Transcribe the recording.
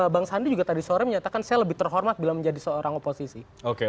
bang sandi juga tadi sore menyatakan saya lebih terhormat bila menjadi seorang oposisi